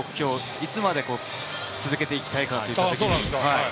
いつまで続けていきたいかということで。